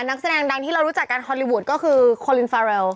นักแสดงดังที่เรารู้จักกันฮอลลีวูดก็คือโคลินฟาเรล